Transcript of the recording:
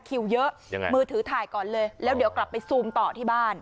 คิวเยอะยังไงมือถือถ่ายก่อนเลยแล้วเดี๋ยวกลับไปซูมต่อที่บ้าน